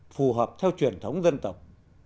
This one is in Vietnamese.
phù hợp theo truyền thống dân tộc